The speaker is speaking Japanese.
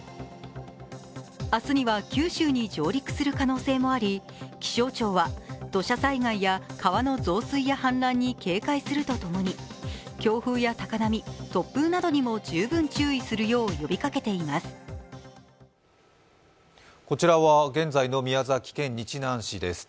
明日には九州に上陸する可能性もあり気象庁は、土砂災害や川の増水や氾濫に警戒するとともに、強風や高波突風などにも十分注意するよう呼びかけています。